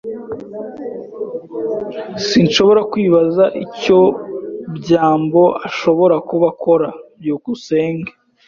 Sinshobora kwibaza icyo byambo ashobora kuba akora. byukusenge